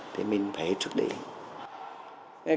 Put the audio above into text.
thì mình phải hết sức để hiểu